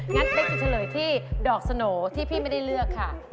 งั้นเป๊กจะเฉลยที่ดอกสโหน่ที่พี่ไม่ได้เลือกค่ะ